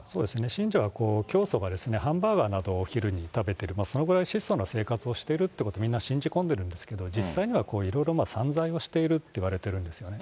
信者は教祖がハンバーガーなどをお昼に食べてる、それぐらい質素な生活をしてるっていうことをみんな信じ込んでるんですけれども、実際にはいろいろ散財をしてるっていわれてるんですよね。